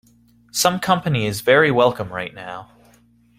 Some company is very welcome right now.